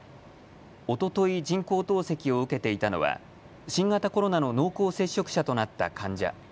おととい、人工透析を受けていたのは新型コロナの濃厚接触者となった患者。